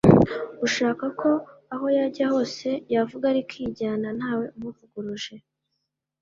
ushaka ko aho yajya hose yavuga rikijyana ntawe umuvuguruje